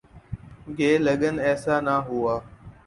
گے لیکن ایسا نہ ہوا۔